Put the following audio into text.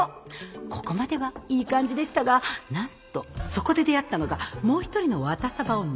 ここまではいい感じでしたがなんとそこで出会ったのがもう一人のワタサバ女。